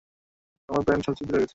আমার সব প্যান্ট ছিদ্র হয়ে আছে।